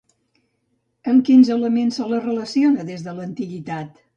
Amb quins elements se la relaciona des de l'antiguitat?